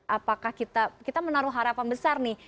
apakah kita menaruh harapan besar nih